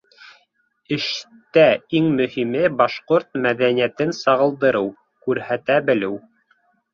Эштә иң мөһиме башҡорт мәҙәниәтен сағылдырыу, күрһәтә белеү.